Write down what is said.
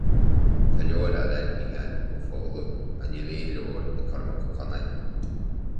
Tá leabhar eile ag Mícheál Ó Foghlú, ach níl aon leabhar ag Cormac Ó Conaill